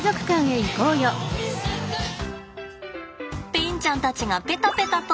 ペンちゃんたちがペタペタと。